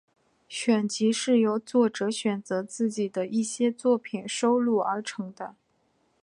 选集是由作者选择自己的一些作品收录而成的。